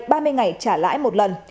vây ngày trả lãi một lần